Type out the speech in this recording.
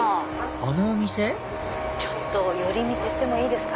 ちょっと寄り道していいですか？